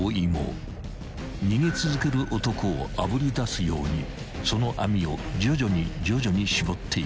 ［逃げ続ける男をあぶり出すようにその網を徐々に徐々に絞っていく］